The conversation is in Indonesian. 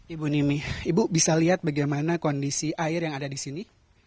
ibu nimi ibu bisa lihat bagaimana kondisi air yang ada di sini